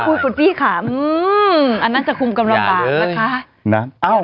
คุณพี่ค่ะอันนั้นจะคุมกำลังบานนะคะ